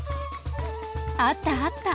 あったあった。